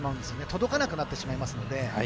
届かなくなってしまいますので。